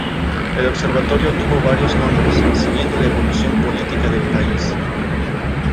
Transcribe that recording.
El observatorio tuvo varios nombres siguiendo la evolución política del país.